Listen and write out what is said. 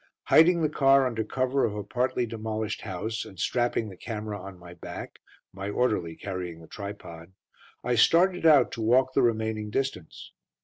Hiding the car under cover of a partly demolished house, and strapping the camera on my back, my orderly carrying the tripod, I started out to walk the remaining distance.